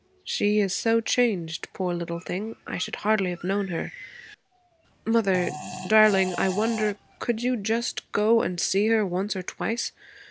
She is so changed, poor little thing. I should hardly have known her. Mother, darling, I wonder, could you just go and see her once or twice?